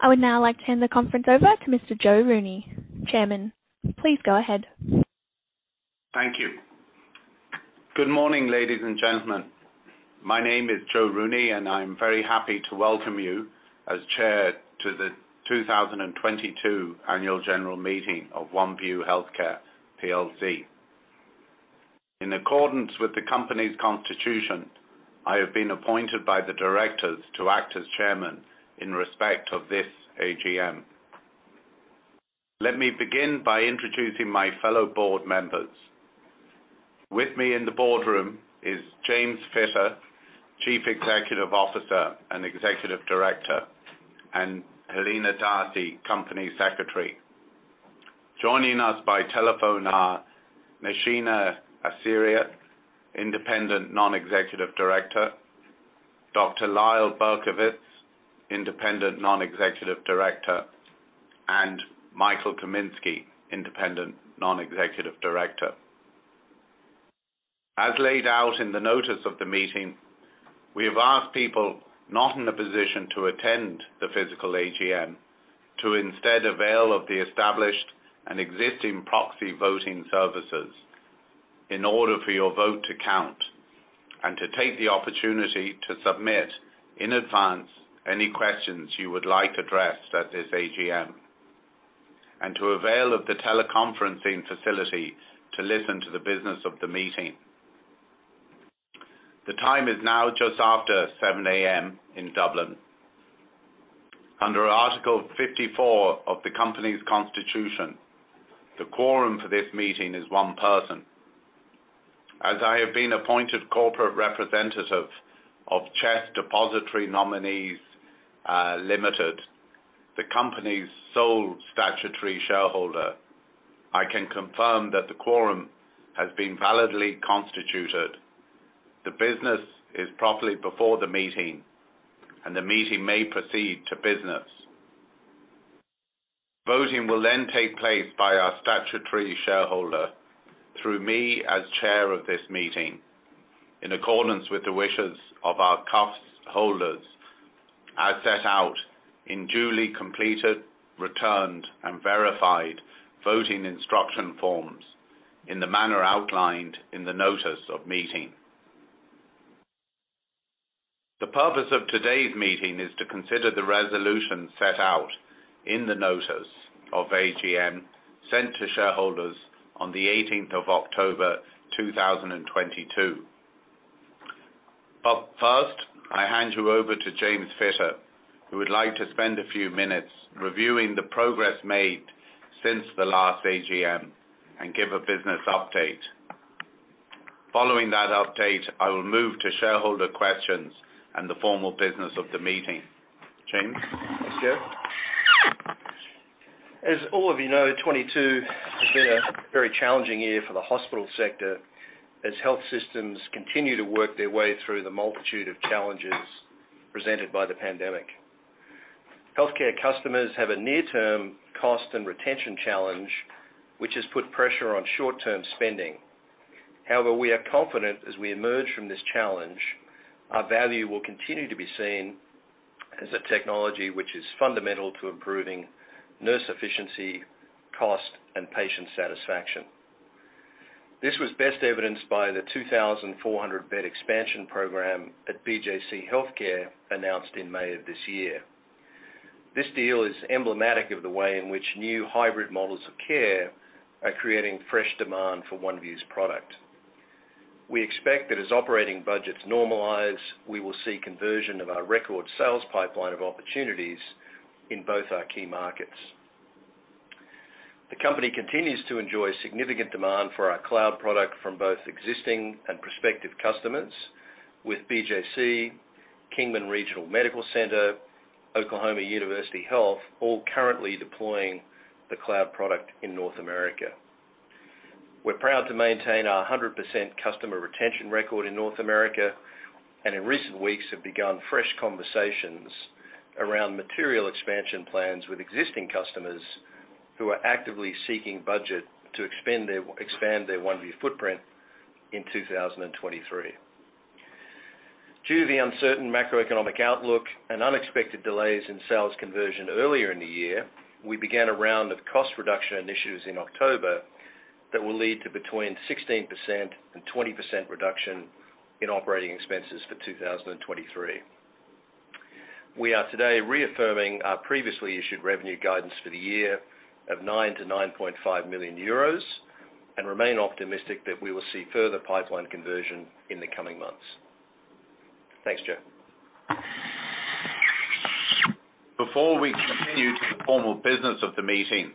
I would now like to hand the conference over to Mr. Joe Rooney, Chairman. Please go ahead. Thank you. Good morning, ladies and gentlemen. My name is Joe Rooney, and I'm very happy to welcome you as Chair to the 2022 annual general meeting of Oneview Healthcare PLC. In accordance with the company's constitution, I have been appointed by the directors to act as Chairman in respect of this AGM. Let me begin by introducing my fellow board members. With me in the boardroom is James Fitter, Chief Executive Officer and Executive Director, and Helena D'Arcy, Company Secretary. Joining us by telephone are Nashina Asaria, Independent Non-Executive Director, Dr. Lyle Berkowitz, Independent Non-Executive Director, and Michael Kaminski, Independent Non-Executive Director. As laid out in the notice of the meeting, we have asked people not in a position to attend the physical AGM to instead avail of the established and existing proxy voting services in order for your vote to count and to take the opportunity to submit in advance any questions you would like addressed at this AGM, and to avail of the teleconferencing facility to listen to the business of the meeting. The time is now just after 7:00 A.M. in Dublin. Under Article 54 of the company's constitution, the quorum for this meeting is one person. As I have been appointed corporate representative of CHESS Depositary Nominees Limited, the company's sole statutory shareholder, I can confirm that the quorum has been validly constituted. The business is properly before the meeting, and the meeting may proceed to business. Voting will then take place by our statutory shareholder through me as Chair of this meeting. In accordance with the wishes of our CUFS holders, as set out in duly completed, returned, and verified voting instruction forms in the manner outlined in the notice of meeting. The purpose of today's meeting is to consider the resolution set out in the notice of AGM sent to shareholders on the 18th of October 2022. First, I hand you over to James Fitter, who would like to spend a few minutes reviewing the progress made since the last AGM and give a business update. Following that update, I will move to shareholder questions and the formal business of the meeting. James. Thanks, Joe. As all of you know, 2022 has been a very challenging year for the hospital sector as health systems continue to work their way through the multitude of challenges presented by the pandemic. Healthcare customers have a near-term cost and retention challenge, which has put pressure on short-term spending. However, we are confident as we emerge from this challenge, our value will continue to be seen as a technology which is fundamental to improving nurse efficiency, cost, and patient satisfaction. This was best evidenced by the 2,400 bed expansion program at BJC HealthCare announced in May of this year. This deal is emblematic of the way in which new hybrid models of care are creating fresh demand for Oneview's product. We expect that as operating budgets normalize, we will see conversion of our record sales pipeline of opportunities in both our key markets. The company continues to enjoy significant demand for our cloud product from both existing and prospective customers with BJC, Kingman Regional Medical Center, Oklahoma University Health, all currently deploying the cloud product in North America. We're proud to maintain our 100% customer retention record in North America, and in recent weeks have begun fresh conversations around material expansion plans with existing customers who are actively seeking budget to expand their Oneview footprint in 2023. Due to the uncertain macroeconomic outlook and unexpected delays in sales conversion earlier in the year, we began a round of cost reduction initiatives in October that will lead to between 16% and 20% reduction in operating expenses for 2023. We are today reaffirming our previously issued revenue guidance for the year of 9 million-9.5 million euros, and remain optimistic that we will see further pipeline conversion in the coming months. Thanks, Joe. Before we continue to the formal business of the meeting,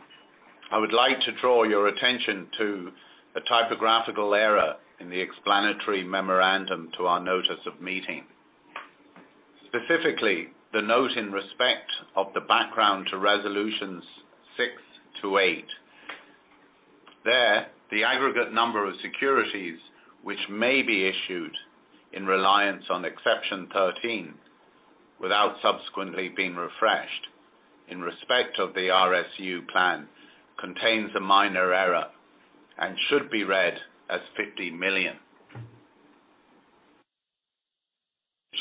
I would like to draw your attention to a typographical error in the explanatory memorandum to our notice of meeting. Specifically, the note in respect of the background to resolutions six to eight. There, the aggregate number of securities which may be issued in reliance on exception thirteen without subsequently being refreshed in respect of the RSU plan contains a minor error and should be read as 50 million.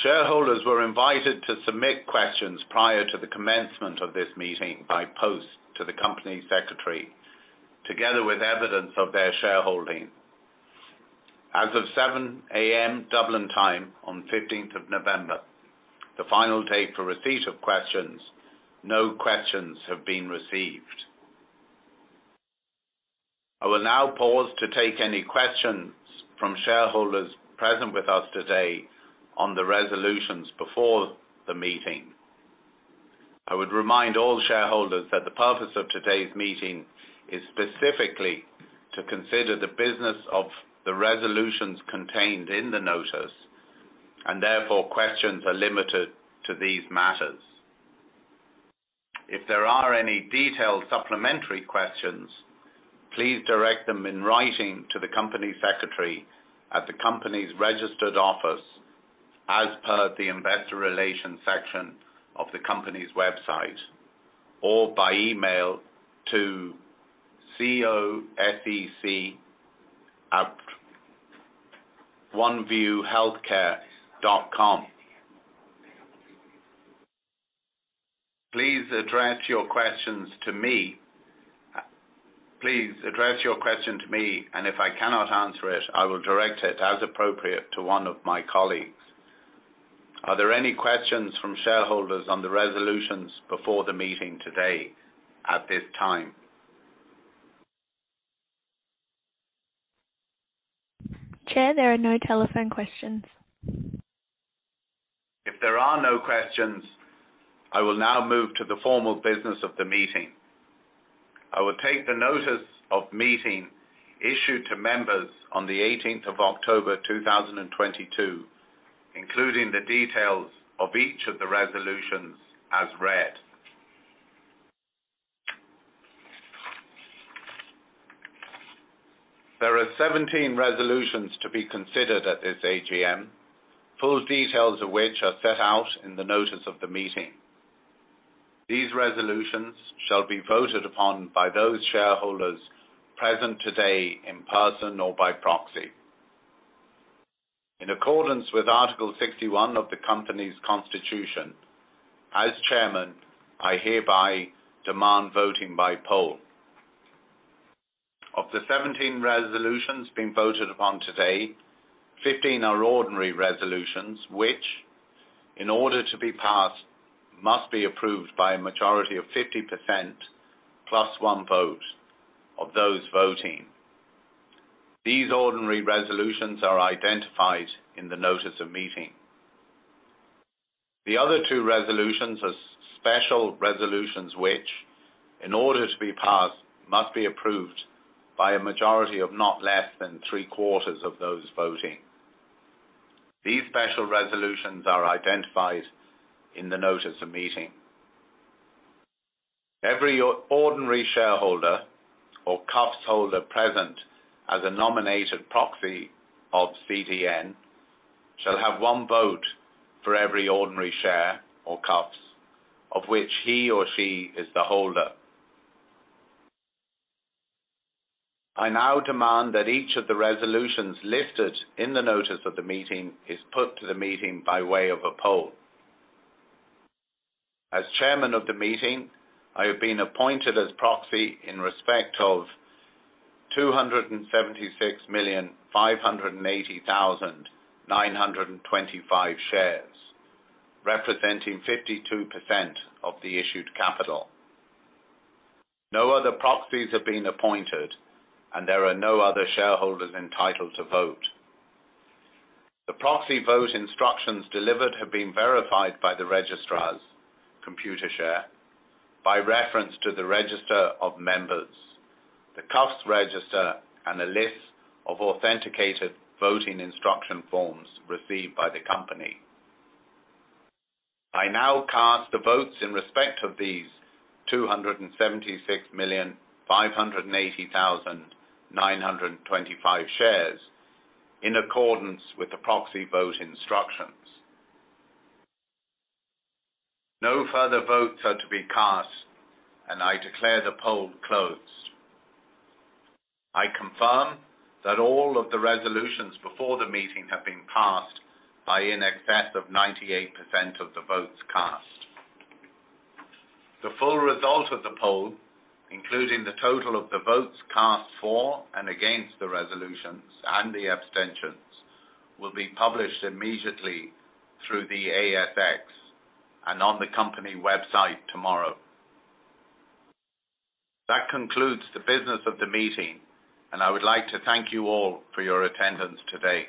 Shareholders were invited to submit questions prior to the commencement of this meeting by post to the company secretary, together with evidence of their shareholding. As of 7:00 A.M. Dublin time on 15th of November, the final date for receipt of questions, no questions have been received. I will now pause to take any questions from shareholders present with us today on the resolutions before the meeting. I would remind all shareholders that the purpose of today's meeting is specifically to consider the business of the resolutions contained in the notice, and therefore, questions are limited to these matters. If there are any detailed supplementary questions, please direct them in writing to the Company Secretary at the company's registered office as per the investor relations section of the company's website, or by email to cosec@oneviewhealthcare.com. Please address your question to me, and if I cannot answer it, I will direct it as appropriate to one of my colleagues. Are there any questions from shareholders on the resolutions before the meeting today at this time? Chair, there are no telephone questions. If there are no questions, I will now move to the formal business of the meeting. I will take the notice of meeting issued to members on the 18th of October 2022, including the details of each of the resolutions as read. There are 17 resolutions to be considered at this AGM, full details of which are set out in the notice of the meeting. These resolutions shall be voted upon by those shareholders present today in person or by proxy. In accordance with Article 61 of the company's constitution, as Chairman, I hereby demand voting by poll. Of the 17 resolutions being voted upon today, 15 are ordinary resolutions, which, in order to be passed, must be approved by a majority of 50% plus one vote of those voting. These ordinary resolutions are identified in the notice of meeting. The other two resolutions are special resolutions which, in order to be passed, must be approved by a majority of not less than three-quarters of those voting. These special resolutions are identified in the notice of meeting. Every ordinary shareholder or CUFS holder present as a nominated proxy of CDN shall have one vote for every ordinary share or CUFS of which he or she is the holder. I now demand that each of the resolutions listed in the notice of the meeting is put to the meeting by way of a poll. As Chairman of the meeting, I have been appointed as proxy in respect of 276,580,925 shares, representing 52% of the issued capital. No other proxies have been appointed, and there are no other shareholders entitled to vote. The proxy vote instructions delivered have been verified by the Registrar's Computershare by reference to the register of members, the CUFS register, and a list of authenticated voting instruction forms received by the Company. I now cast the votes in respect of these 276,580,925 shares in accordance with the proxy vote instructions. No further votes are to be cast, and I declare the poll closed. I confirm that all of the resolutions before the meeting have been passed by in excess of 98% of the votes cast. The full result of the poll, including the total of the votes cast for and against the resolutions and the abstentions, will be published immediately through the ASX and on the Company website tomorrow. That concludes the business of the meeting, and I would like to thank you all for your attendance today.